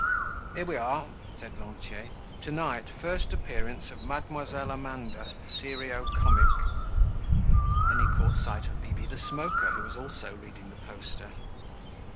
"Here we are," said Lantier. "To night, first appearance of Mademoiselle Amanda, serio comic." Then he caught sight of Bibi the Smoker, who was also reading the poster.